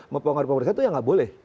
mempengaruhi pemeriksaan itu ya nggak boleh